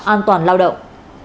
an toàn lao động